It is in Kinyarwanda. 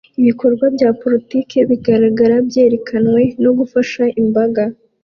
Ibikorwa bya politiki bigaragara byerekanwe no gufunga imbaga